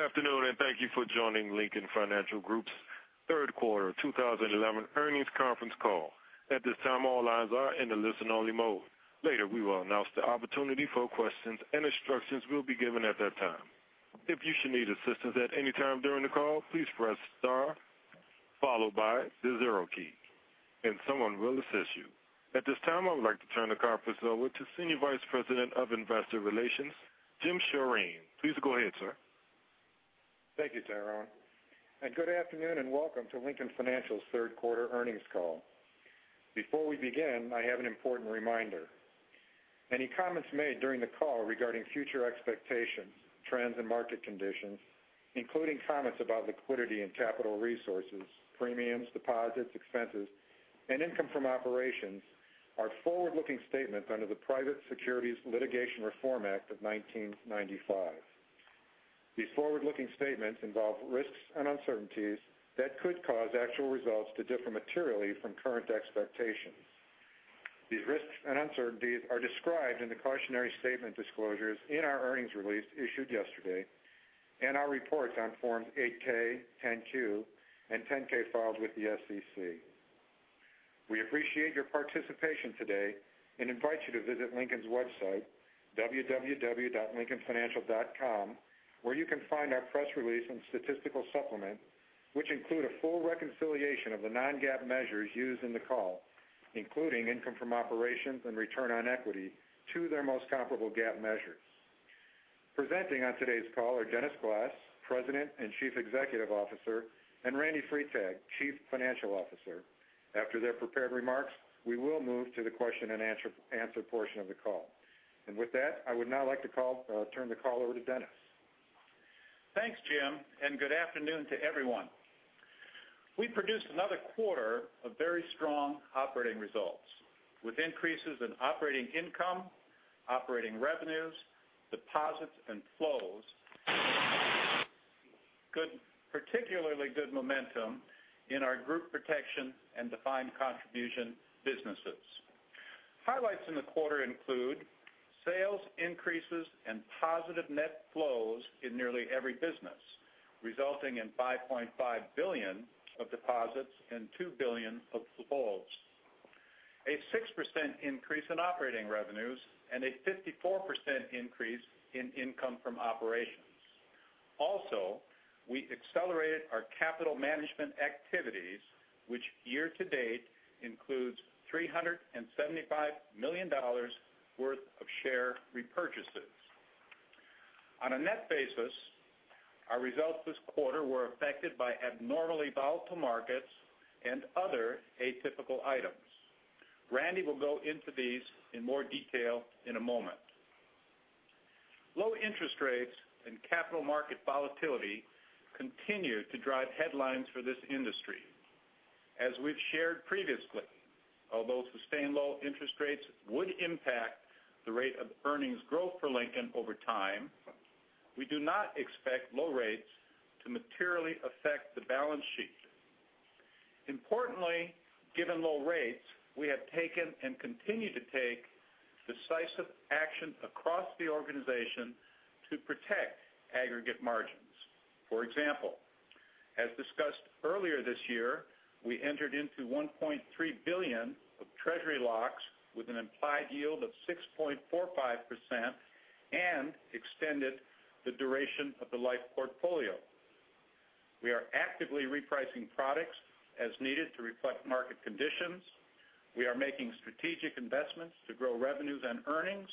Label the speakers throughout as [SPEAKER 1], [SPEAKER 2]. [SPEAKER 1] Good afternoon, and thank you for joining Lincoln Financial Group's third quarter 2011 earnings conference call. At this time, all lines are in the listen-only mode. Later, we will announce the opportunity for questions, and instructions will be given at that time. If you should need assistance at any time during the call, please press star followed by the zero key, and someone will assist you. At this time, I would like to turn the conference over to Senior Vice President of Investor Relations, Jim Scheiner. Please go ahead, sir.
[SPEAKER 2] Thank you, Tyrone. Good afternoon, and welcome to Lincoln Financial's third quarter earnings call. Before we begin, I have an important reminder. Any comments made during the call regarding future expectations, trends, and market conditions, including comments about liquidity and capital resources, premiums, deposits, expenses, and income from operations, are forward-looking statements under the Private Securities Litigation Reform Act of 1995. These forward-looking statements involve risks and uncertainties that could cause actual results to differ materially from current expectations. These risks and uncertainties are described in the cautionary statement disclosures in our earnings release issued yesterday, and our reports on Forms 8-K, 10-Q, and 10-K filed with the SEC. We appreciate your participation today and invite you to visit Lincoln's website, www.lincolnfinancial.com, where you can find our press release and statistical supplement, which include a full reconciliation of the non-GAAP measures used in the call, including income from operations and return on equity to their most comparable GAAP measures. Presenting on today's call are Dennis Glass, President and Chief Executive Officer, and Randy Freitag, Chief Financial Officer. After their prepared remarks, we will move to the question and answer portion of the call. With that, I would now like to turn the call over to Dennis.
[SPEAKER 3] Thanks, Jim. Good afternoon to everyone. We produced another quarter of very strong operating results, with increases in operating income, operating revenues, deposits, and flows. Particularly good momentum in our group protection and defined contribution businesses. Highlights in the quarter include sales increases and positive net flows in nearly every business, resulting in $5.5 billion of deposits and $2 billion of flows, a 6% increase in operating revenues, and a 54% increase in income from operations. Also, we accelerated our capital management activities, which year to date includes $375 million worth of share repurchases. On a net basis, our results this quarter were affected by abnormally volatile markets and other atypical items. Randy will go into these in more detail in a moment. Low interest rates and capital market volatility continue to drive headlines for this industry. As we've shared previously, although sustained low interest rates would impact the rate of earnings growth for Lincoln over time, we do not expect low rates to materially affect the balance sheet. Importantly, given low rates, we have taken and continue to take decisive action across the organization to protect aggregate margins. For example, as discussed earlier this year, we entered into $1.3 billion of treasury locks with an implied yield of 6.45% and extended the duration of the life portfolio. We are actively repricing products as needed to reflect market conditions. We are making strategic investments to grow revenues and earnings.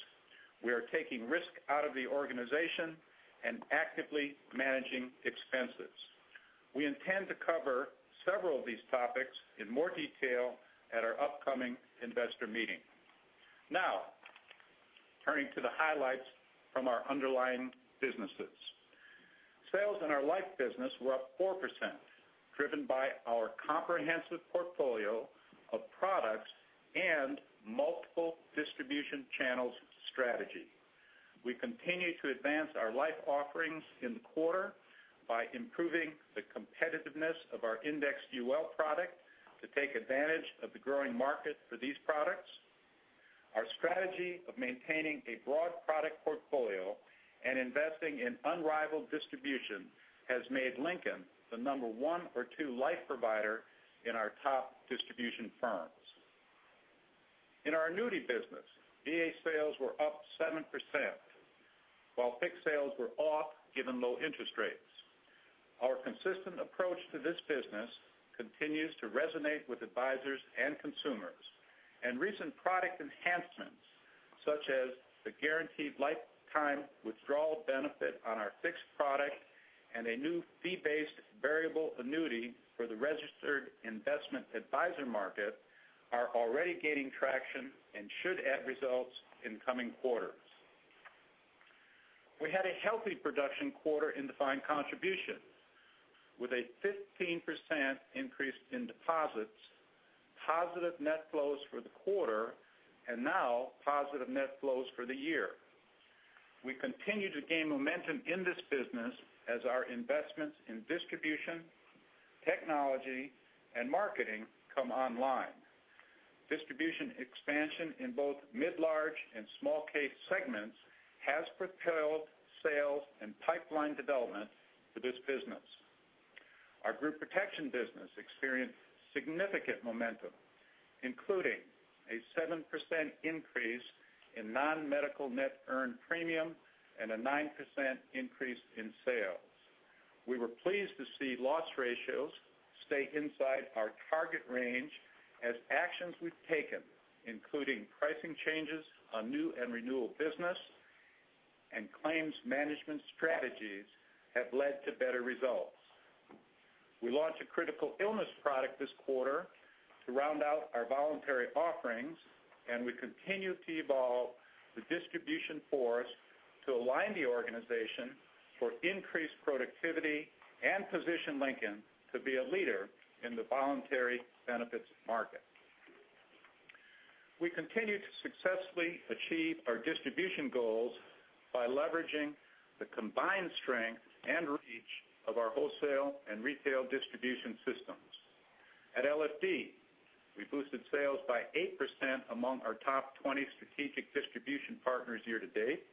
[SPEAKER 3] We are taking risk out of the organization and actively managing expenses. We intend to cover several of these topics in more detail at our upcoming investor meeting. Turning to the highlights from our underlying businesses. Sales in our life business were up 4%, driven by our comprehensive portfolio of products and multiple distribution channels strategy. We continue to advance our life offerings in the quarter by improving the competitiveness of our Indexed UL product to take advantage of the growing market for these products. Our strategy of maintaining a broad product portfolio and investing in unrivaled distribution has made Lincoln the number one or two life provider in our top distribution firms. In our annuity business, VA sales were up 7%, while fixed sales were off, given low interest rates. Our consistent approach to this business continues to resonate with advisors and consumers. Recent product enhancements, such as the guaranteed lifetime withdrawal benefit on our fixed product and a new fee-based variable annuity for the registered investment advisor market, are already gaining traction and should add results in coming quarters. We had a healthy production quarter in defined contribution with a 15% increase in deposits, positive net flows for the quarter, and now positive net flows for the year. We continue to gain momentum in this business as our investments in distribution, technology, and marketing come online. Distribution expansion in both mid-large and small case segments has propelled sales and pipeline development for this business. Our group protection business experienced significant momentum, including a 7% increase in non-medical net earned premium and a 9% increase in sales. We were pleased to see loss ratios stay inside our target range as actions we've taken, including pricing changes on new and renewal business and claims management strategies, have led to better results. We launched a critical illness product this quarter to round out our voluntary offerings, and we continue to evolve the distribution force to align the organization for increased productivity and position Lincoln to be a leader in the voluntary benefits market. We continue to successfully achieve our distribution goals by leveraging the combined strength and reach of our wholesale and retail distribution systems. At LFD, we boosted sales by 8% among our top 20 strategic distribution partners year-to-date,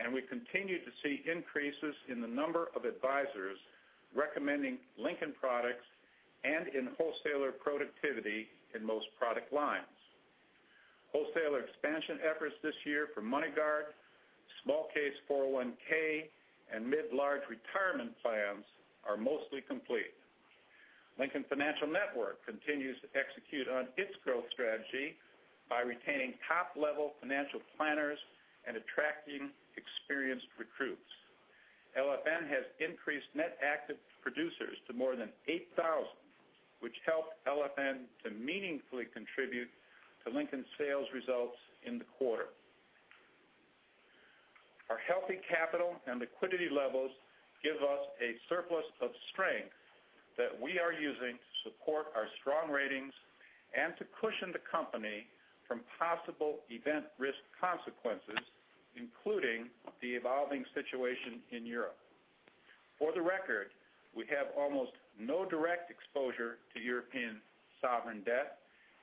[SPEAKER 3] and we continue to see increases in the number of advisors recommending Lincoln products and in wholesaler productivity in most product lines. Wholesaler expansion efforts this year for MoneyGuard, small case 401(k) and mid-large retirement plans are mostly complete. Lincoln Financial Network continues to execute on its growth strategy by retaining top-level financial planners and attracting experienced recruits. Lincoln Financial Network has increased net active producers to more than 8,000, which helped Lincoln Financial Network to meaningfully contribute to Lincoln sales results in the quarter. Our healthy capital and liquidity levels give us a surplus of strength that we are using to support our strong ratings and to cushion the company from possible event risk consequences, including the evolving situation in Europe. For the record, we have almost no direct exposure to European sovereign debt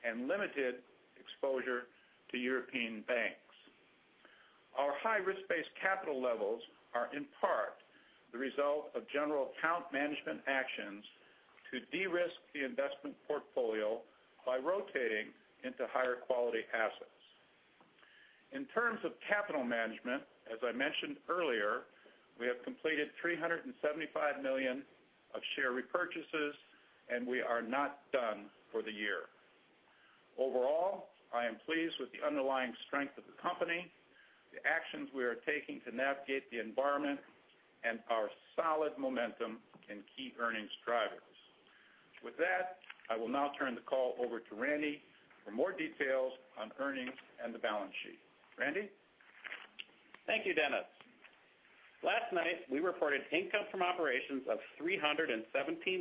[SPEAKER 3] and limited exposure to European banks. Our high-risk-based capital levels are in part the result of general account management actions to de-risk the investment portfolio by rotating into higher quality assets. In terms of capital management, as I mentioned earlier, we have completed $375 million of share repurchases, and we are not done for the year. Overall, I am pleased with the underlying strength of the company, the actions we are taking to navigate the environment, and our solid momentum in key earnings drivers. With that, I will now turn the call over to Randy for more details on earnings and the balance sheet. Randy?
[SPEAKER 4] Thank you, Dennis. Last night, we reported income from operations of $317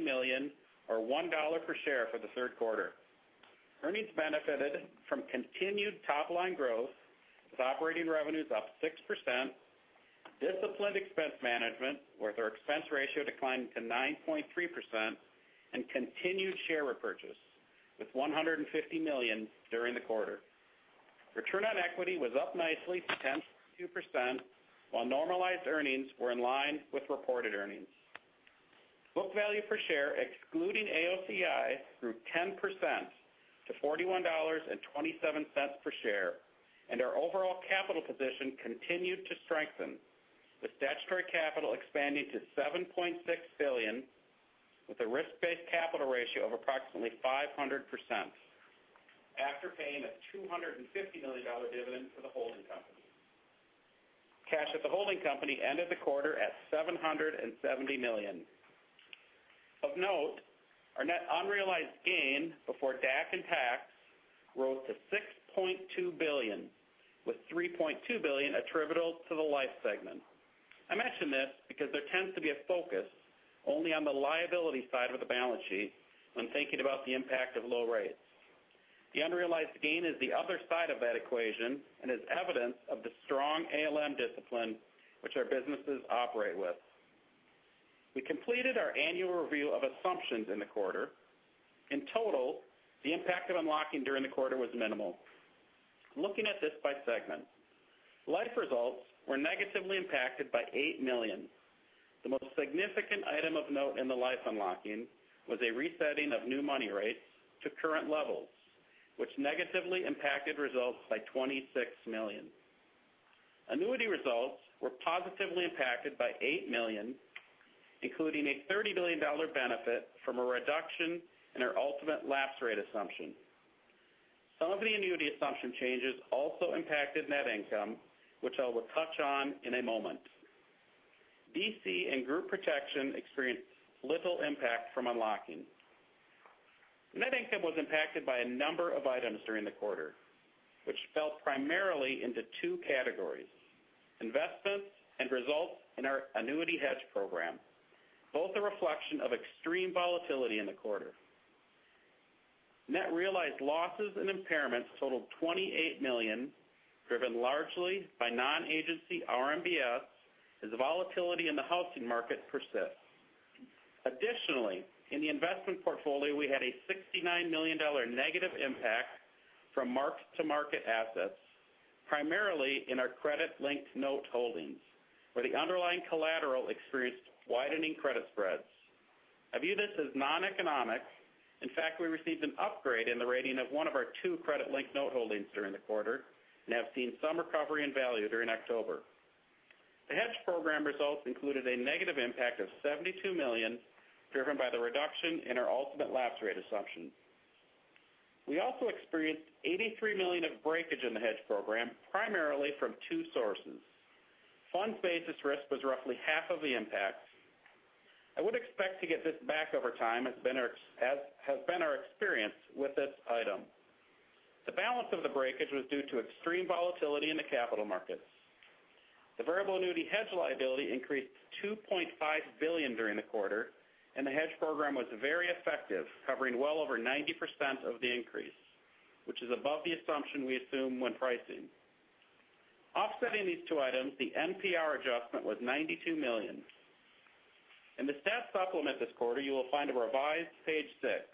[SPEAKER 4] million or $1 per share for the third quarter. Earnings benefited from continued top-line growth with operating revenues up 6%, disciplined expense management with our expense ratio declining to 9.3%, and continued share repurchase with $150 million during the quarter. Return on equity was up nicely to 10.2%, while normalized earnings were in line with reported earnings. Book value per share excluding AOCI grew 10% to $41.27 per share, and our overall capital position continued to strengthen with statutory capital expanding to $7.6 billion, with a risk-based capital ratio of approximately 500%, after paying a $250 million dividend to the holding company. Cash at the holding company ended the quarter at $770 million. Of note, our net unrealized gain before DAC and tax grew to $6.2 billion, with $3.2 billion attributable to the life segment. I mention this because there tends to be a focus only on the liability side of the balance sheet when thinking about the impact of low rates. The unrealized gain is the other side of that equation and is evidence of the strong ALM discipline which our businesses operate with. We completed our annual review of assumptions in the quarter. In total, the impact of unlocking during the quarter was minimal. Looking at this by segment, life results were negatively impacted by $8 million. The most significant item of note in the life unlocking was a resetting of new money rates to current levels, which negatively impacted results by $26 million. Annuity results were positively impacted by $8 million, including a $30 billion benefit from a reduction in our ultimate lapse rate assumption. Some of the annuity assumption changes also impacted net income, which I will touch on in a moment. DC and group protection experienced little impact from unlocking. Net income was impacted by a number of items during the quarter, which fell primarily into two categories, investments and results in our annuity hedge program, both a reflection of extreme volatility in the quarter. Net realized losses and impairments totaled $28 million, driven largely by non-agency RMBS as the volatility in the housing market persists. Additionally, in the investment portfolio, we had a $69 million negative impact from mark-to-market assets, primarily in our credit-linked note holdings, where the underlying collateral experienced widening credit spreads. I view this as non-economic. In fact, we received an upgrade in the rating of one of our two credit-linked note holdings during the quarter and have seen some recovery in value during October. The hedge program results included a negative impact of $72 million, driven by the reduction in our ultimate lapse rate assumption. We also experienced $83 million of breakage in the hedge program, primarily from two sources. Fund basis risk was roughly half of the impact. I would expect to get this back over time, as has been our experience with this item. The balance of the breakage was due to extreme volatility in the capital markets. The variable annuity hedge liability increased to $2.5 billion during the quarter, and the hedge program was very effective, covering well over 90% of the increase, which is above the assumption we assume when pricing. Offsetting these two items, the NPR adjustment was $92 million. In the stat supplement this quarter, you will find a revised page six,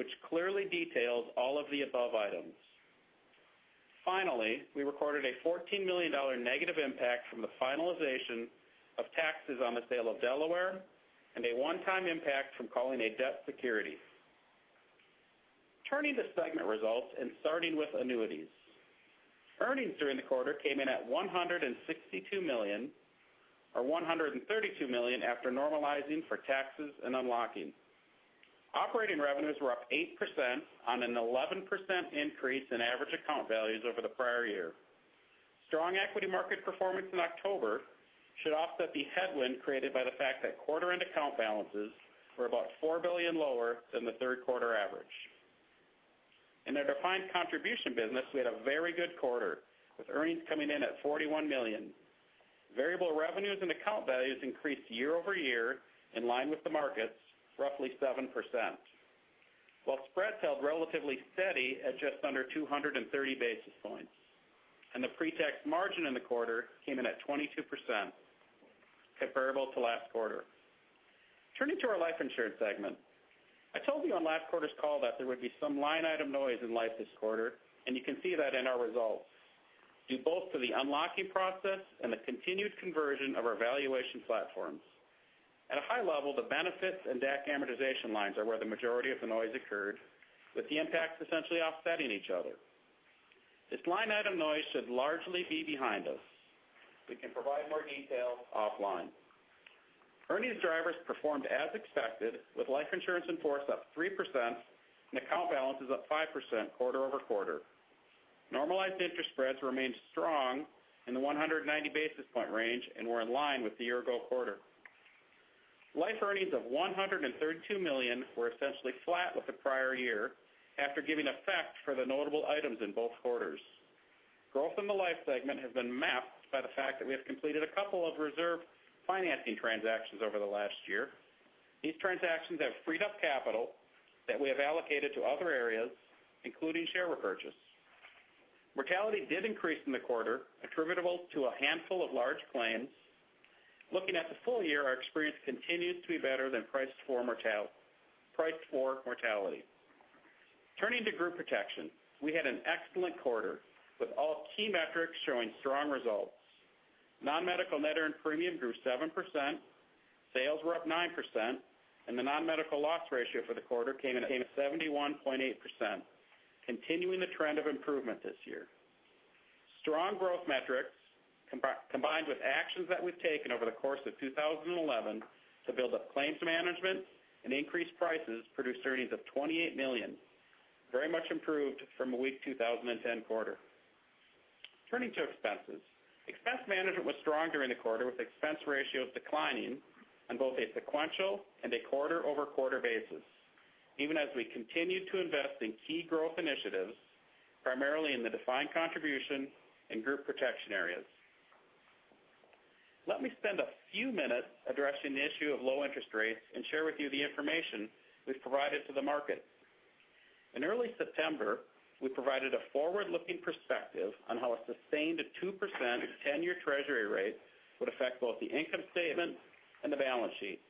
[SPEAKER 4] which clearly details all of the above items. Finally, we recorded a $14 million negative impact from the finalization of taxes on the sale of Delaware and a one-time impact from calling a debt security. Turning to segment results and starting with annuities. Earnings during the quarter came in at $162 million, or $132 million after normalizing for taxes and unlocking. Operating revenues were up 8% on an 11% increase in average account values over the prior year. Strong equity market performance in October should offset the headwind created by the fact that quarter-end account balances were about $4 billion lower than the third quarter average. In our defined contribution business, we had a very good quarter, with earnings coming in at $41 million. Variable revenues and account values increased year-over-year, in line with the markets, roughly 7%, while spreads held relatively steady at just under 230 basis points, and the pre-tax margin in the quarter came in at 22%, comparable to last quarter. Turning to our life insurance segment. I told you on last quarter's call that there would be some line item noise in life this quarter, and you can see that in our results, due both to the unlocking process and the continued conversion of our valuation platforms. At a high level, the benefits and DAC amortization lines are where the majority of the noise occurred, with the impacts essentially offsetting each other. This line item noise should largely be behind us. We can provide more details offline. Earnings drivers performed as expected, with life insurance in force up 3% and account balances up 5% quarter-over-quarter. Normalized interest spreads remained strong in the 190 basis point range and were in line with the year-ago quarter. Life earnings of $132 million were essentially flat with the prior year, after giving effect for the notable items in both quarters. Growth in the life segment has been masked by the fact that we have completed a couple of reserve financing transactions over the last year. These transactions have freed up capital that we have allocated to other areas, including share repurchase. Mortality did increase in the quarter, attributable to a handful of large claims. Looking at the full year, our experience continues to be better than priced for mortality. Turning to Group Protection. We had an excellent quarter, with all key metrics showing strong results. Non-medical net earned premium grew 7%, sales were up 9%, the non-medical loss ratio for the quarter came in at 71.8%, continuing the trend of improvement this year. Strong growth metrics, combined with actions that we've taken over the course of 2011 to build up claims management and increase prices, produced earnings of $28 million, very much improved from a weak 2010 quarter. Turning to expenses. Expense management was strong during the quarter, with expense ratios declining on both a sequential and a quarter-over-quarter basis, even as we continued to invest in key growth initiatives, primarily in the Defined Contribution and Group Protection areas. Let me spend a few minutes addressing the issue of low interest rates and share with you the information we've provided to the market. In early September, we provided a forward-looking perspective on how a sustained 2% 10-year treasury rate would affect both the income statement and the balance sheet.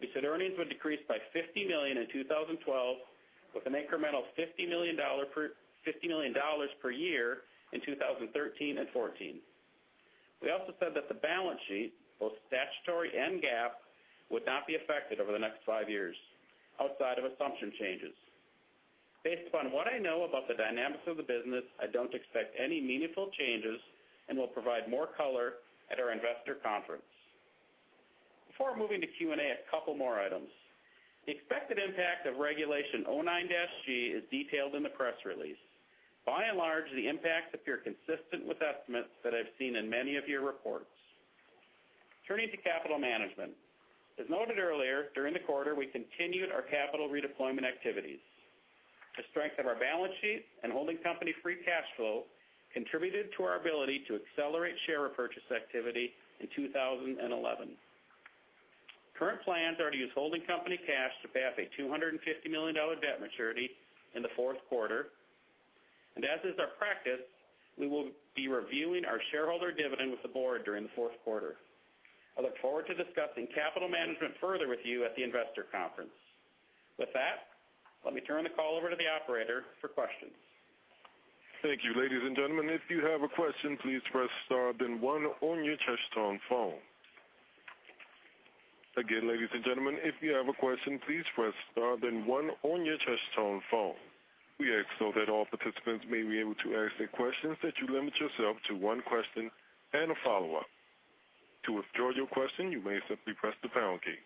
[SPEAKER 4] We said earnings would decrease by $50 million in 2012 with an incremental $50 million per year in 2013 and 2014. We also said that the balance sheet, both statutory and GAAP, would not be affected over the next five years, outside of assumption changes. Based upon what I know about the dynamics of the business, I don't expect any meaningful changes and will provide more color at our investor conference. Before moving to Q&A, a couple more items. The expected impact of Regulation O9-G is detailed in the press release. The impacts appear consistent with estimates that I've seen in many of your reports. Turning to capital management. As noted earlier, during the quarter, we continued our capital redeployment activities. The strength of our balance sheet and holding company free cash flow contributed to our ability to accelerate share repurchase activity in 2011. Current plans are to use holding company cash to pay off a $250 million debt maturity in the fourth quarter. As is our practice, we will be reviewing our shareholder dividend with the board during the fourth quarter. I look forward to discussing capital management further with you at the investor conference. With that, let me turn the call over to the operator for questions.
[SPEAKER 1] Thank you. Ladies and gentlemen, if you have a question, please press star then one on your touch-tone phone. Again, ladies and gentlemen, if you have a question, please press star then one on your touch-tone phone. We ask so that all participants may be able to ask their questions that you limit yourself to one question and a follow-up. To withdraw your question, you may simply press the pound key.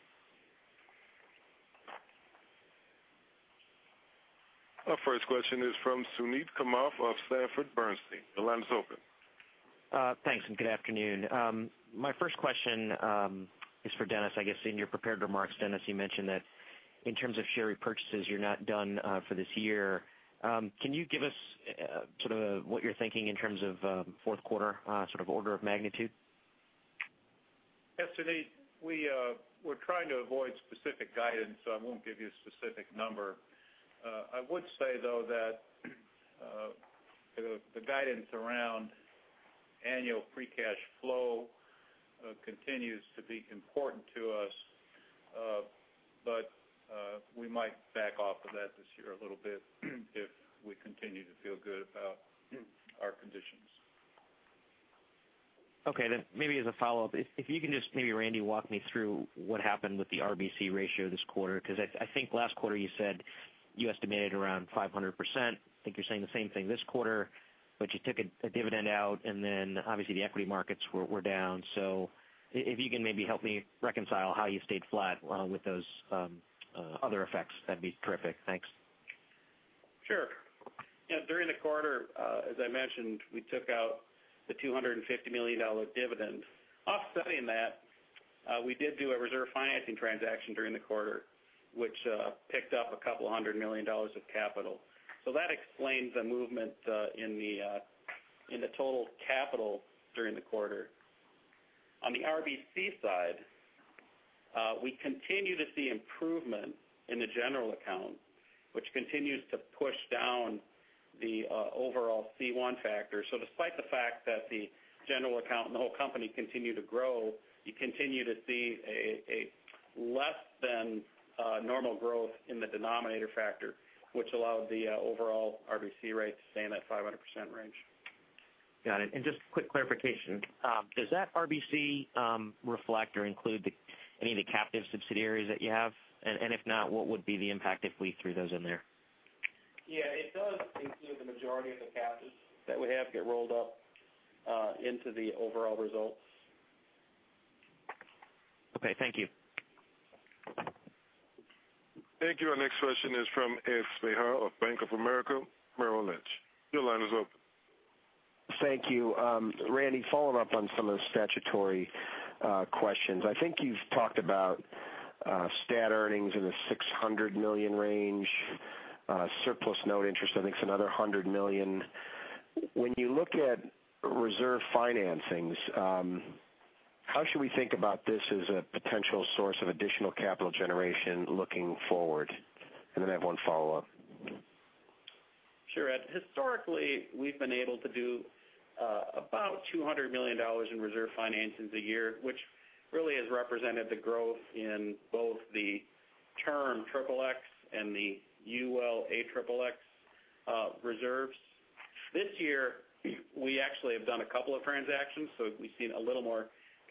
[SPEAKER 1] Our first question is from Suneet Kamath of Sanford Bernstein. Your line is open.
[SPEAKER 5] Thanks, and good afternoon. My first question is for Dennis. I guess in your prepared remarks, Dennis, you mentioned that in terms of share repurchases, you're not done for this year. Can you give us sort of what you're thinking in terms of fourth quarter sort of order of magnitude?
[SPEAKER 3] Yes, Suneet. We're trying to avoid specific guidance. I won't give you a specific number. I would say, though, that the guidance around annual free cash flow continues to be important to us. We might back off of that this year a little bit if we continue to feel good about our conditions.
[SPEAKER 5] Okay, maybe as a follow-up, if you can just maybe, Randy, walk me through what happened with the RBC ratio this quarter, because I think last quarter you said you estimated around 500%. I think you're saying the same thing this quarter, but you took a dividend out and obviously the equity markets were down. If you can maybe help me reconcile how you stayed flat with those other effects, that'd be terrific. Thanks.
[SPEAKER 4] Sure. During the quarter, as I mentioned, we took out the $250 million dividend. Offsetting that, we did do a reserve financing transaction during the quarter, which picked up a couple of hundred million dollars of capital. That explains the movement in the total capital during the quarter. On the RBC side, we continue to see improvement in the general account, which continues to push down the overall C1 factor. Despite the fact that the general account and the whole company continue to grow, you continue to see a less than normal growth in the denominator factor, which allowed the overall RBC rate to stay in that 500% range.
[SPEAKER 5] Got it. Just quick clarification, does that RBC reflect or include any of the captive subsidiaries that you have? If not, what would be the impact if we threw those in there?
[SPEAKER 4] Yeah, it does include the majority of the captives that we have get rolled up into the overall results.
[SPEAKER 5] Okay, thank you.
[SPEAKER 1] Thank you. Our next question is from Edward Spehar of Bank of America Merrill Lynch. Your line is open.
[SPEAKER 6] Thank you. Randy, following up on some of the statutory questions. I think you've talked about stat earnings in the $600 million range. Surplus note interest, I think it's another $100 million. When you look at reserve financings, how should we think about this as a potential source of additional capital generation looking forward? I have one follow-up.
[SPEAKER 4] Sure, Ed. Historically, we've been able to do about $200 million in reserve financings a year, which really has represented the growth in both the term XXX and the UL XXX reserves. This year, we actually have done a couple of transactions, we've seen a little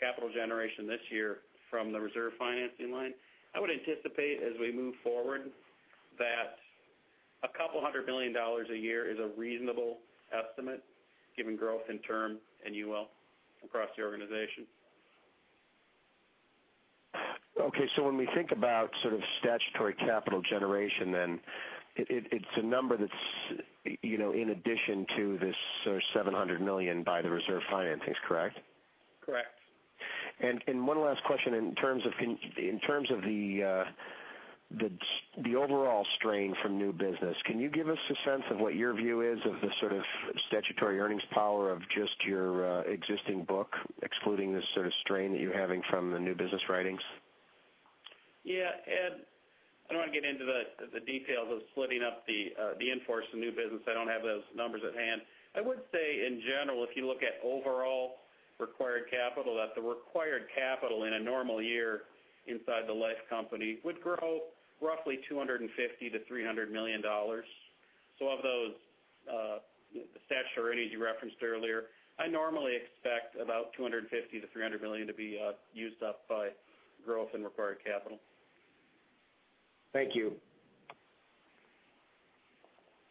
[SPEAKER 4] more capital generation this year from the reserve financing line. I would anticipate as we move forward that a couple of $200 million a year is a reasonable estimate given growth in term and UL across the organization.
[SPEAKER 6] Okay. When we think about sort of statutory capital generation, then it's a number that's in addition to this sort of $700 million by the reserve financings, correct?
[SPEAKER 4] Correct.
[SPEAKER 6] One last question in terms of the overall strain from new business. Can you give us a sense of what your view is of the sort of statutory earnings power of just your existing book, excluding the sort of strain that you're having from the new business writings?
[SPEAKER 4] Yeah, Ed, I don't want to get into the details of splitting up the in-force and new business. I don't have those numbers at hand. I would say in general, if you look at overall required capital, that the required capital in a normal year inside the life company would grow roughly $250 million-$300 million. Of those statutory needs you referenced earlier, I normally expect about $250 million-$300 million to be used up by growth in required capital.
[SPEAKER 6] Thank you.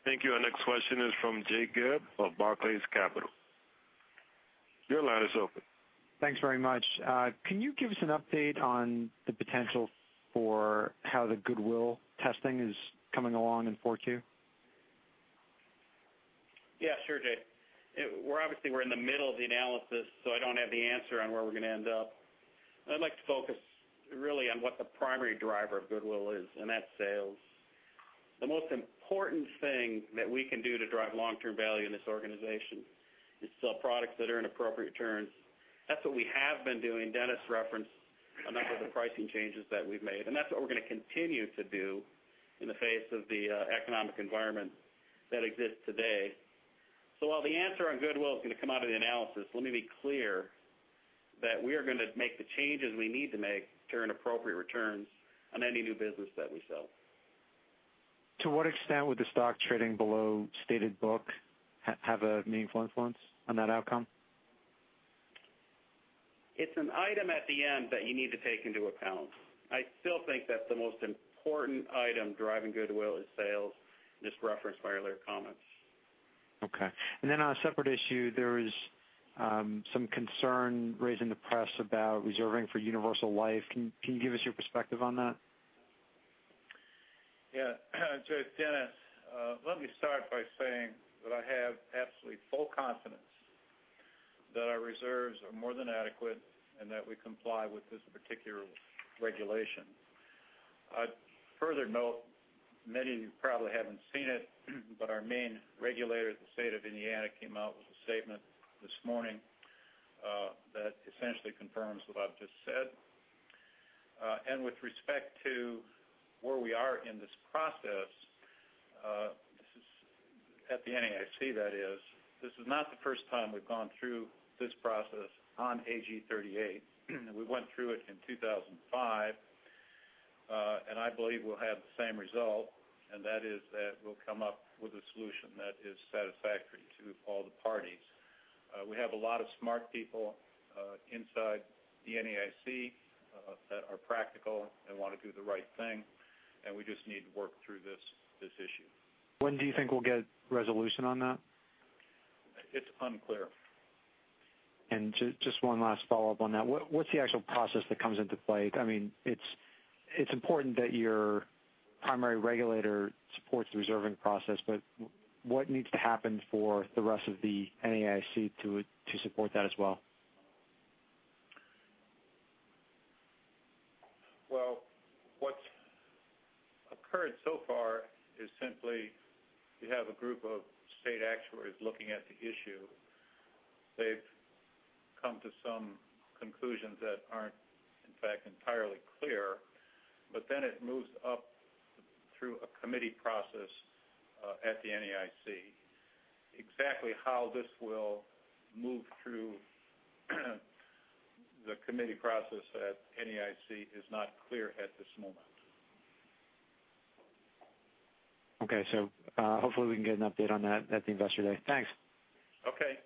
[SPEAKER 1] Thank you. Our next question is from Jay Gelb of Barclays Capital. Your line is open.
[SPEAKER 7] Thanks very much. Can you give us an update on the potential for how the goodwill testing is coming along in 4Q?
[SPEAKER 4] Yeah, sure, Jay. We're obviously in the middle of the analysis. I don't have the answer on where we're going to end up. I'd like to focus really on what the primary driver of goodwill is. That's sales. The most important thing that we can do to drive long-term value in this organization is sell products that earn appropriate returns. That's what we have been doing. Dennis referenced a number of the pricing changes that we've made. That's what we're going to continue to do in the face of the economic environment that exists today. While the answer on goodwill is going to come out of the analysis, let me be clear that we are going to make the changes we need to make to earn appropriate returns on any new business that we sell.
[SPEAKER 7] To what extent would the stock trading below stated book have a meaningful influence on that outcome?
[SPEAKER 4] It's an item at the end that you need to take into account. I still think that the most important item driving goodwill is sales, as referenced by earlier comments.
[SPEAKER 7] Okay. On a separate issue, there is some concern raised in the press about reserving for universal life. Can you give us your perspective on that?
[SPEAKER 4] Yeah. Dennis, let me start by saying that I have absolutely full confidence that our reserves are more than adequate and that we comply with this particular regulation. I'd further note, many of you probably haven't seen it, but our main regulator at the state of Indiana came out with a statement this morning that essentially confirms what I've just said. With respect to where we are in this process, at the NAIC that is, this is not the first time we've gone through this process on AG 38. We went through it in 2005. I believe we'll have the same result, and that is that we'll come up with a solution that is satisfactory to all the parties. We have a lot of smart people inside the NAIC that are practical and want to do the right thing, and we just need to work through this issue.
[SPEAKER 7] When do you think we'll get resolution on that?
[SPEAKER 3] It's unclear.
[SPEAKER 7] Just one last follow-up on that. What's the actual process that comes into play? It's important that your primary regulator supports the reserving process, but what needs to happen for the rest of the NAIC to support that as well?
[SPEAKER 3] Well, what's occurred so far is simply, you have a group of state actuaries looking at the issue. They've come to some conclusions that aren't, in fact, entirely clear. Then it moves up through a committee process at the NAIC. Exactly how this will move through the committee process at NAIC is not clear at this moment.
[SPEAKER 7] Okay. Hopefully, we can get an update on that at the Investor Day. Thanks.
[SPEAKER 3] Okay.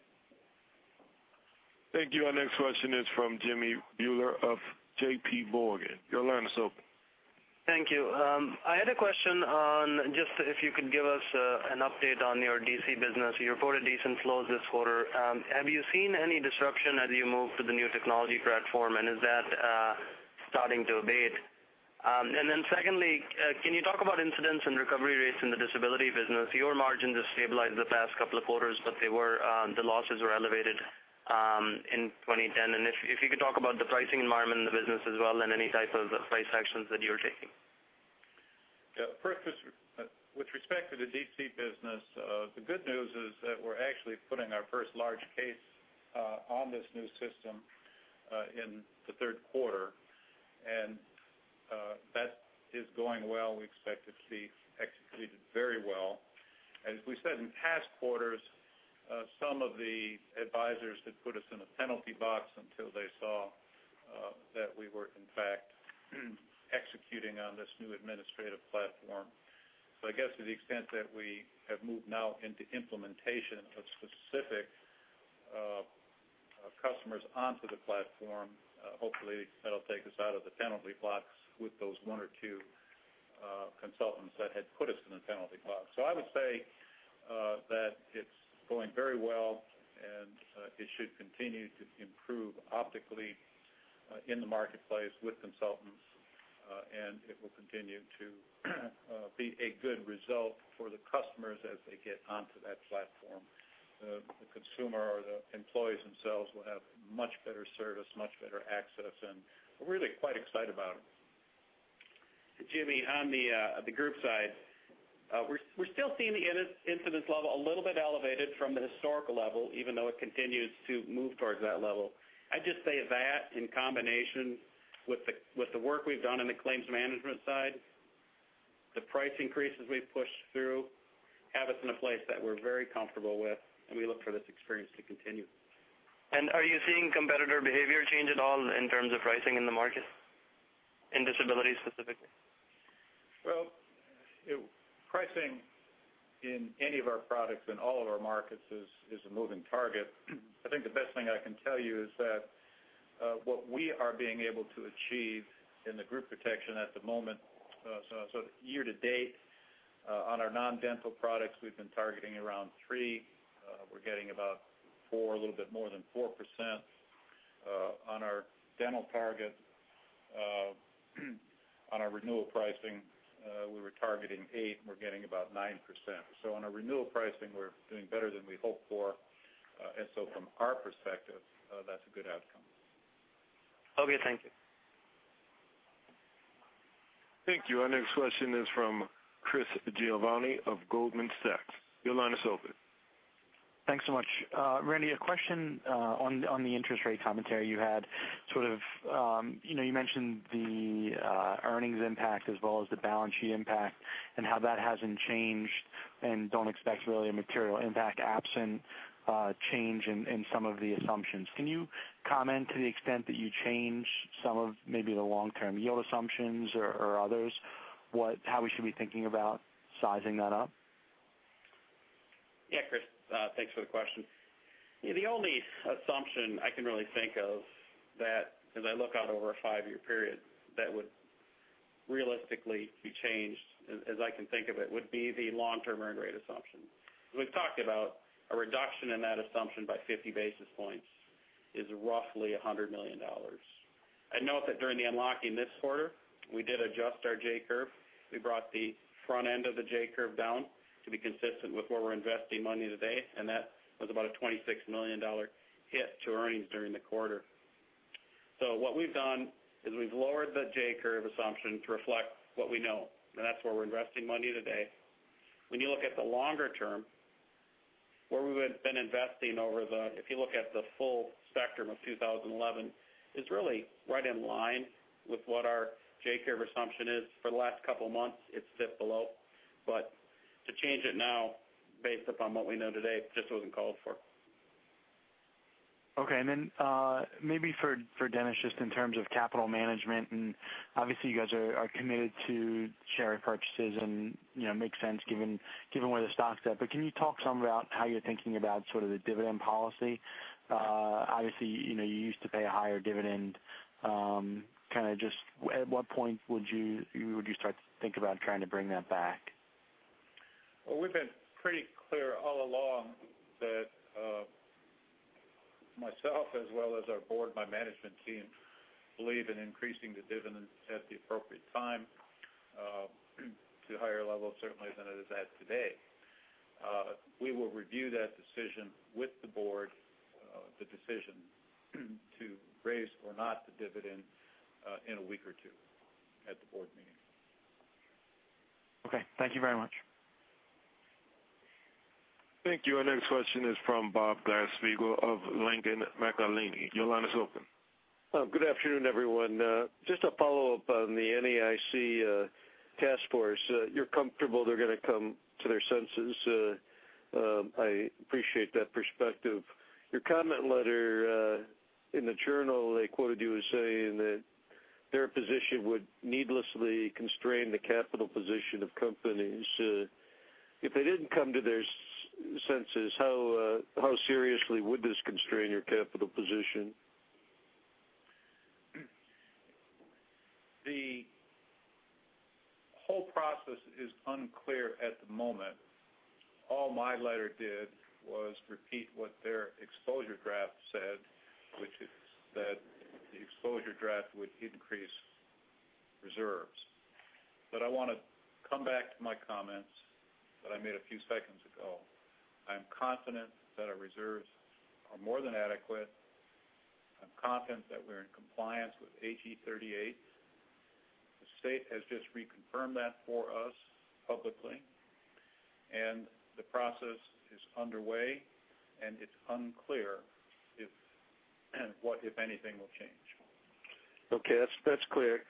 [SPEAKER 1] Thank you. Our next question is from Jimmy Bhoola of JP Morgan. Your line is open.
[SPEAKER 8] Thank you. I had a question on just if you could give us an update on your DC business. You reported decent flows this quarter. Have you seen any disruption as you move to the new technology platform, is that starting to abate? Secondly, can you talk about incidence and recovery rates in the disability business? Your margins have stabilized the past couple of quarters, the losses were elevated in 2010. If you could talk about the pricing environment in the business as well and any type of price actions that you're taking.
[SPEAKER 3] Yeah. First, with respect to the DC business, the good news is that we're actually putting our first large case on this new system in the third quarter, that is going well. We expect it to be executed very well. As we said in past quarters, some of the advisors had put us in a penalty box until they saw that we were in fact executing on this new administrative platform. I guess to the extent that we have moved now into implementation of specific customers onto the platform, hopefully that'll take us out of the penalty box with those one or two consultants that had put us in the penalty box. I would say that it's going very well, it should continue to improve optically in the marketplace with consultants, it will continue to be a good result for the customers as they get onto that platform. The consumer or the employees themselves will have much better service, much better access, we're really quite excited about it.
[SPEAKER 4] Jimmy, on the group side, we're still seeing the incidence level a little bit elevated from the historical level, even though it continues to move towards that level. I'd just say that in combination with the work we've done in the claims management side, the price increases we've pushed through have us in a place that we're very comfortable with, we look for this experience to continue.
[SPEAKER 8] Are you seeing competitor behavior change at all in terms of pricing in the market, in disability specifically?
[SPEAKER 3] Well, pricing in any of our products in all of our markets is a moving target. I think the best thing I can tell you is that what we are being able to achieve in the group protection at the moment, year to date on our non-dental products, we've been targeting around three. We're getting about 4%, a little bit more than 4%. On our dental target, on our renewal pricing, we were targeting 8%, we're getting about 9%. On our renewal pricing, we're doing better than we hoped for. From our perspective, that's a good outcome.
[SPEAKER 8] Okay, thank you.
[SPEAKER 1] Thank you. Our next question is from Chris Giovanni of Goldman Sachs. Your line is open.
[SPEAKER 9] Thanks so much. Randy, a question on the interest rate commentary you had. You mentioned the earnings impact as well as the balance sheet impact and how that hasn't changed and don't expect really a material impact absent change in some of the assumptions. Can you comment to the extent that you change some of maybe the long-term yield assumptions or others, how we should be thinking about sizing that up?
[SPEAKER 4] Yeah, Chris, thanks for the question. The only assumption I can really think of that as I look out over a five-year period that would realistically be changed as I can think of it would be the long-term earned rate assumption. We've talked about a reduction in that assumption by 50 basis points is roughly $100 million. I'd note that during the unlocking this quarter, we did adjust our J-curve. We brought the front end of the J-curve down to be consistent with where we're investing money today, and that was about a $26 million hit to earnings during the quarter. What we've done is we've lowered the J-curve assumption to reflect what we know, and that's where we're investing money today. When you look at the longer term, where we would've been investing over the, if you look at the full spectrum of 2011, is really right in line with what our J-curve assumption is. For the last couple of months, it's dipped below. To change it now based upon what we know today just wasn't called for.
[SPEAKER 9] Okay. Then maybe for Dennis, just in terms of capital management, obviously you guys are committed to share repurchases and makes sense given where the stock's at. Can you talk some about how you're thinking about the dividend policy? Obviously, you used to pay a higher dividend. Kind of just at what point would you start to think about trying to bring that back?
[SPEAKER 3] Well, we've been pretty clear all along that myself as well as our board, my management team, believe in increasing the dividends at the appropriate time to higher levels certainly than it is at today. We will review that decision with the board, the decision to raise or not the dividend in a week or two at the board meeting.
[SPEAKER 9] Okay. Thank you very much.
[SPEAKER 1] Thank you. Our next question is from Bob Glasspiegel of Langen McAlenney. Your line is open.
[SPEAKER 10] Good afternoon, everyone. Just a follow-up on the NAIC task force. You're comfortable they're going to come to their senses. I appreciate that perspective. Your comment letter in The Wall Street Journal, they quoted you as saying that their position would needlessly constrain the capital position of companies. If they didn't come to their senses, how seriously would this constrain your capital position?
[SPEAKER 3] The whole process is unclear at the moment. All my letter did was repeat what their exposure draft said, which is that the exposure draft would increase reserves. I want to come back to my comments that I made a few seconds ago. I'm confident that our reserves are more than adequate. I'm confident that we're in compliance with AG 38. The state has just reconfirmed that for us publicly, the process is underway, and it's unclear what, if anything, will change.
[SPEAKER 10] Okay. That's clear.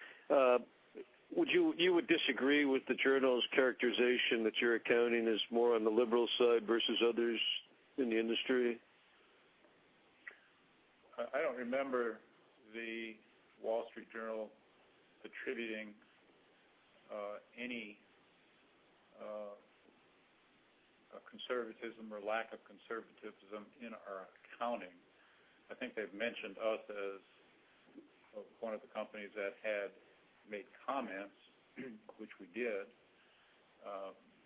[SPEAKER 10] You would disagree with The Wall Street Journal's characterization that your accounting is more on the liberal side versus others in the industry?
[SPEAKER 3] I don't remember The Wall Street Journal attributing any conservatism or lack of conservatism in our accounting. I think they've mentioned us as one of the companies that had made comments, which we did.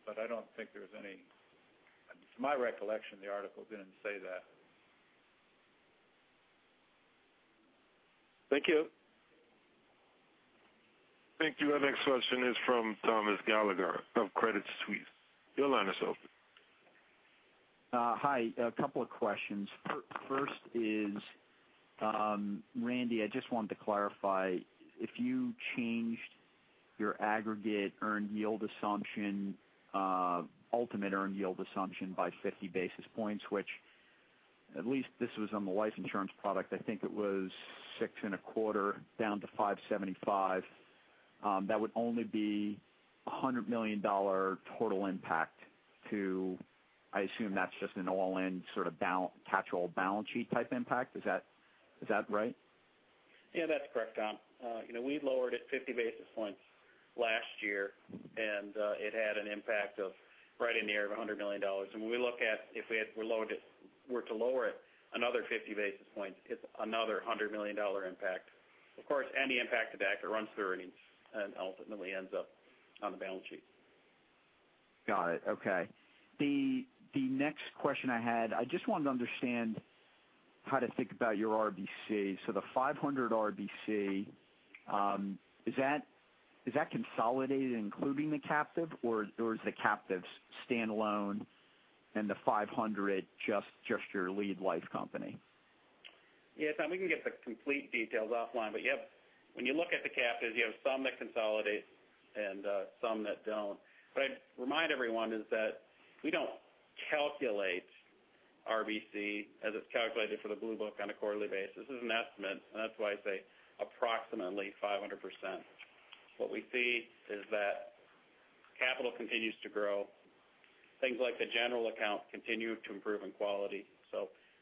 [SPEAKER 3] I don't think to my recollection, the article didn't say that.
[SPEAKER 10] Thank you.
[SPEAKER 1] Thank you. Our next question is from Thomas Gallagher of Credit Suisse. Your line is open.
[SPEAKER 11] Hi. A couple of questions. First is, Randy, I just wanted to clarify if you changed your aggregate earned yield assumption, ultimate earned yield assumption by 50 basis points, which at least this was on the life insurance product. I think it was 6.25 down to 575. That would only be $100 million total impact to, I assume that's just an all-in sort of catch-all balance sheet type impact. Is that right?
[SPEAKER 4] Yeah, that's correct, Tom. We lowered it 50 basis points last year, it had an impact of right in the area of $100 million. When we look at if we were to lower it another 50 basis points, it's another $100 million impact. Of course, any impact to that, it runs through earnings and ultimately ends up on the balance sheet.
[SPEAKER 11] Got it. Okay. The next question I had, I just wanted to understand how to think about your RBC. The 500 RBC, is that consolidated including the captive, or is the captives standalone and the 500 just your lead life company?
[SPEAKER 4] Yeah, Tom, we can get the complete details offline. When you look at the captives, you have some that consolidate and some that don't. What I'd remind everyone is that we don't calculate RBC as it's calculated for the Blue Book on a quarterly basis. This is an estimate, and that's why I say approximately 500%. What we see is that capital continues to grow. Things like the general account continue to improve in quality.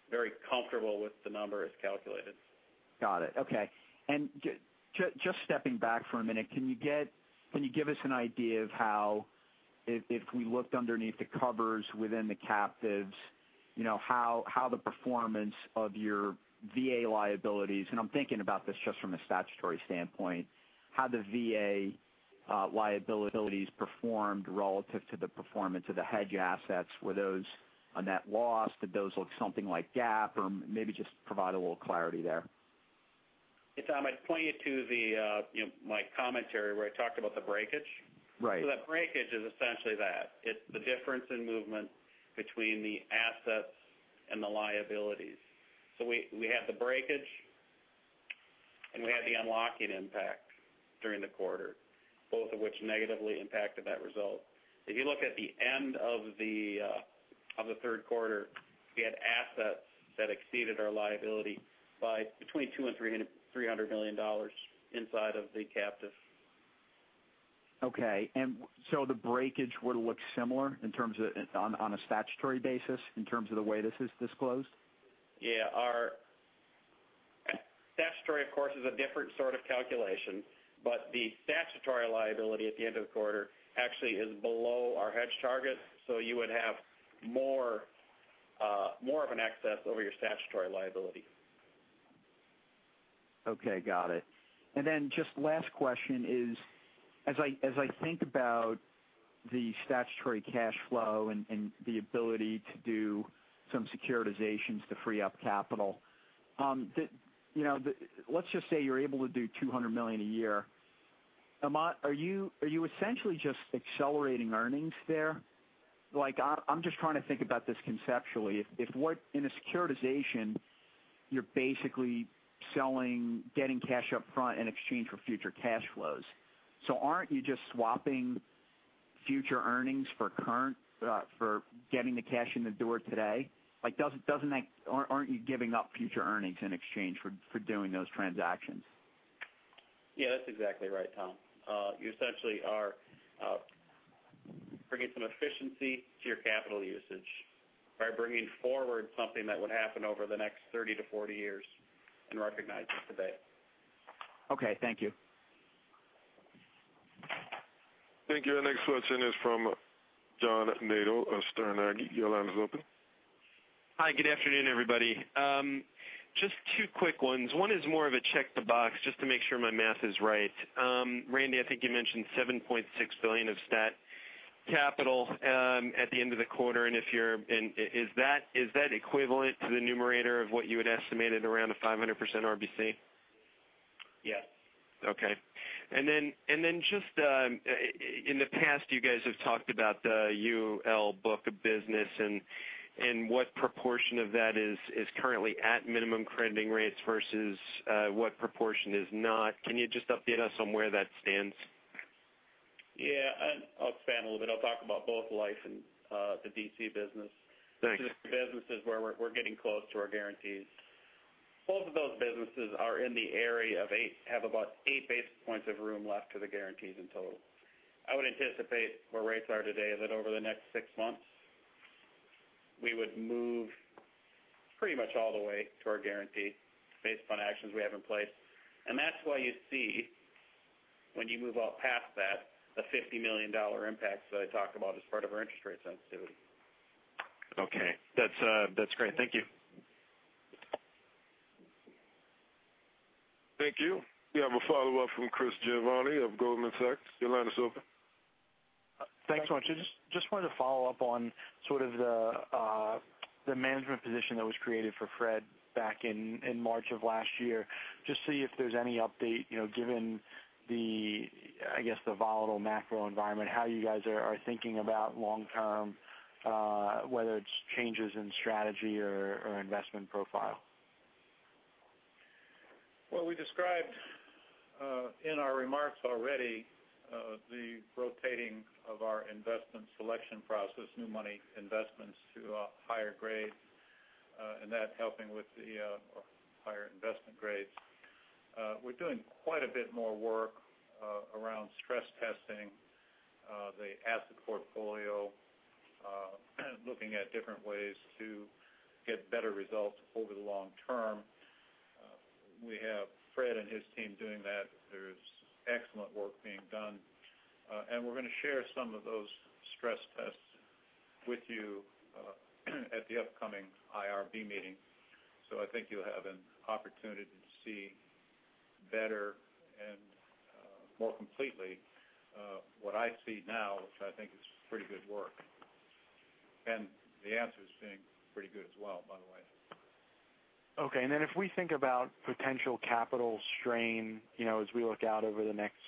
[SPEAKER 4] Very comfortable with the number as calculated.
[SPEAKER 11] Got it. Okay. Just stepping back for a minute, can you give us an idea of how, if we looked underneath the covers within the captives, how the performance of your VA liabilities, and I'm thinking about this just from a statutory standpoint, how the VA liabilities performed relative to the performance of the hedge assets? Were those a net loss? Did those look something like GAAP? Maybe just provide a little clarity there.
[SPEAKER 4] Yeah, Tom, I'd point you to my commentary where I talked about the breakage.
[SPEAKER 11] Right.
[SPEAKER 4] That breakage is essentially that. It's the difference in movement between the assets and the liabilities. We had the breakage, and we had the unlocking impact during the quarter, both of which negatively impacted that result. If you look at the end of the third quarter, we had assets that exceeded our liability by between $200 million and $300 million inside of the captive.
[SPEAKER 11] Okay. The breakage would look similar on a statutory basis in terms of the way this is disclosed?
[SPEAKER 4] Statutory, of course, is a different sort of calculation, but the statutory liability at the end of the quarter actually is below our hedge target. You would have more of an excess over your statutory liability.
[SPEAKER 11] Okay, got it. Just last question is, as I think about the statutory cash flow and the ability to do some securitizations to free up capital. Let's just say you're able to do $200 million a year. Are you essentially just accelerating earnings there? I'm just trying to think about this conceptually. In a securitization, you're basically getting cash up front in exchange for future cash flows. Aren't you just swapping future earnings for getting the cash in the door today? Aren't you giving up future earnings in exchange for doing those transactions?
[SPEAKER 4] Yeah, that's exactly right, Tom. You essentially are bringing some efficiency to your capital usage by bringing forward something that would happen over the next 30-40 years and recognizing it today.
[SPEAKER 11] Okay. Thank you.
[SPEAKER 1] Thank you. Our next question is from John Nadel of Sterne Agee. Your line is open.
[SPEAKER 12] Hi. Good afternoon, everybody. Just two quick ones. One is more of a check the box just to make sure my math is right. Randy, I think you mentioned $7.6 billion of stat capital at the end of the quarter. Is that equivalent to the numerator of what you had estimated around a 500% RBC?
[SPEAKER 4] Yes.
[SPEAKER 12] Okay. Then just in the past, you guys have talked about the UL book of business and what proportion of that is currently at minimum crediting rates versus what proportion is not. Can you just update us on where that stands?
[SPEAKER 4] Yeah. I'll expand a little. I'll talk about both life and the DC business.
[SPEAKER 12] Thanks.
[SPEAKER 4] These are businesses where we're getting close to our guarantees. Both of those businesses have about eight basis points of room left to the guarantees in total. I would anticipate where rates are today that over the next six months, we would move pretty much all the way to our guarantee based upon actions we have in place. That's why you see when you move out past that, the $50 million impact that I talked about as part of our interest rate sensitivity.
[SPEAKER 12] Okay. That's great. Thank you.
[SPEAKER 1] Thank you. We have a follow-up from Chris Giovanni of Goldman Sachs. Your line is open.
[SPEAKER 9] Thanks so much. I just wanted to follow up on sort of the management position that was created for Fred back in March of last year, just see if there's any update given the volatile macro environment, how you guys are thinking about long term whether it's changes in strategy or investment profile.
[SPEAKER 3] Well, we described in our remarks already the rotating of our investment selection process, new money investments to higher grades, and that helping with the higher investment grades. We're doing quite a bit more work around stress testing the asset portfolio, looking at different ways to get better results over the long term. We have Fred and his team doing that. There's excellent work being done. We're going to share some of those stress tests with you at the upcoming IRB meeting. I think you'll have an opportunity to see better and more completely what I see now, which I think is pretty good work. The answers seem pretty good as well, by the way.
[SPEAKER 9] Okay. If we think about potential capital strain as we look out over the next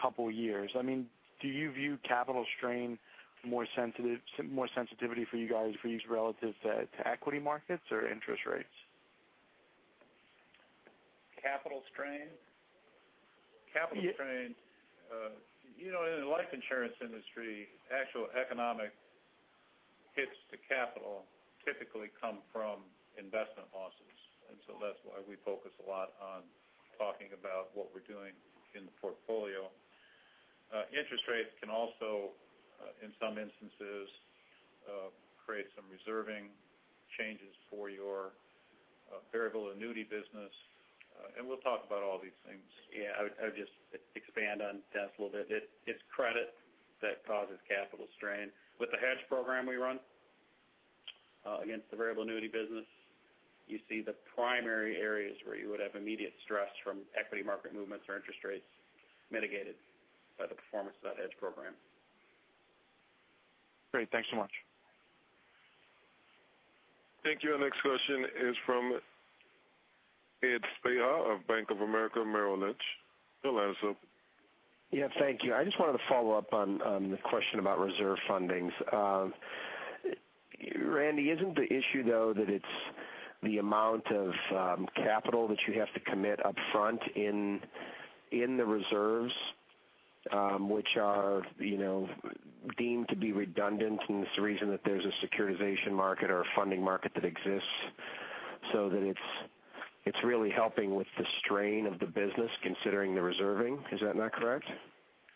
[SPEAKER 9] couple of years. Do you view capital strain more sensitivity for you guys, for these relative to equity markets or interest rates?
[SPEAKER 2] Capital strain?
[SPEAKER 9] Yes
[SPEAKER 2] Capital strain. In the life insurance industry, actual economic hits to capital typically come from investment losses. So that's why we focus a lot on talking about what we're doing in the portfolio. Interest rates can also, in some instances, create some reserving changes for your variable annuity business, we'll talk about all these things.
[SPEAKER 4] Yeah, I would just expand on that a little bit. It's credit that causes capital strain. With the hedge program we run against the variable annuity business, you see the primary areas where you would have immediate stress from equity market movements or interest rates mitigated by the performance of that hedge program.
[SPEAKER 9] Great. Thanks so much.
[SPEAKER 1] Thank you. Our next question is from Ed Spehar of Bank of America Merrill Lynch. Go ahead.
[SPEAKER 6] Yeah, thank you. I just wanted to follow up on the question about reserve fundings. Randy, isn't the issue, though, that it's the amount of capital that you have to commit upfront in the reserves, which are deemed to be redundant, and it's the reason that there's a securitization market or a funding market that exists, so that it's really helping with the strain of the business considering the reserving? Is that not correct?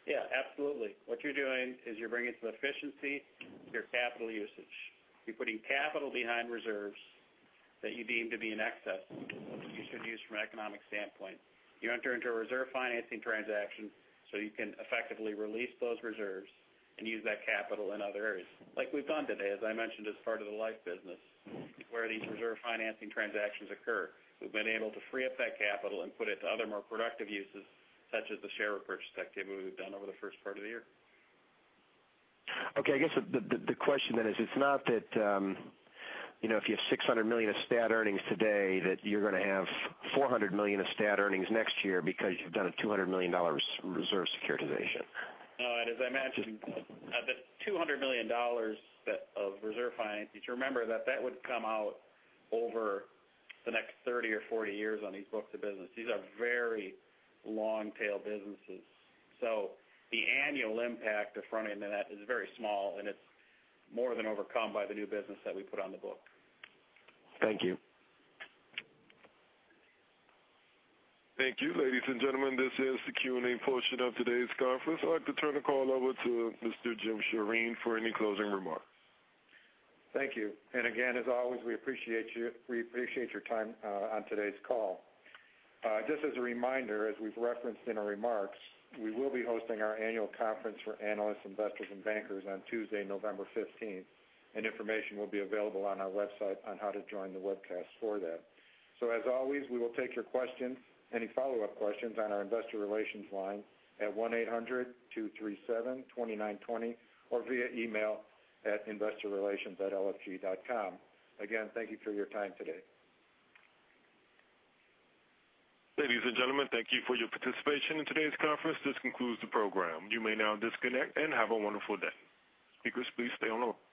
[SPEAKER 4] Yeah, absolutely. What you're doing is you're bringing some efficiency to your capital usage. You're putting capital behind reserves that you deem to be in excess, that you should use from an economic standpoint. You enter into a reserve financing transaction so you can effectively release those reserves and use that capital in other areas. Like we've done today, as I mentioned, as part of the life business, where these reserve financing transactions occur. We've been able to free up that capital and put it to other, more productive uses, such as the share repurchase activity we've done over the first part of the year.
[SPEAKER 6] Okay. I guess the question then is, it's not that if you have $600 million of stat earnings today, that you're going to have $400 million of stat earnings next year because you've done a $200 million reserve securitization.
[SPEAKER 4] No. As I mentioned, the $200 million of reserve financing, remember that would come out over the next 30 or 40 years on these books of business. These are very long-tail businesses. The annual impact of fronting that is very small, and it's more than overcome by the new business that we put on the book.
[SPEAKER 6] Thank you.
[SPEAKER 1] Thank you. Ladies and gentlemen, this is the Q&A portion of today's conference. I'd like to turn the call over to Mr. Jim Scheiner for any closing remarks.
[SPEAKER 2] Thank you. Again, as always, we appreciate your time on today's call. Just as a reminder, as we've referenced in our remarks, we will be hosting our annual conference for analysts, investors, and bankers on Tuesday, November 15th, and information will be available on our website on how to join the webcast for that. As always, we will take your questions, any follow-up questions on our investor relations line at 1-800-237-2920 or via email at InvestorRelations@LFG.com. Again, thank you for your time today.
[SPEAKER 1] Ladies and gentlemen, thank you for your participation in today's conference. This concludes the program. You may now disconnect and have a wonderful day. Speakers, please stay on the line.